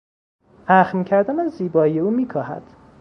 اخم کردن از زیبایی او میکاهد.